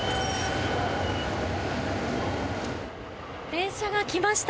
電車が来ました。